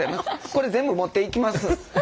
これ全部持っていきます。